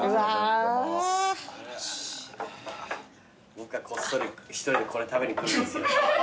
僕はこっそり一人でこれ食べに来るんですよ。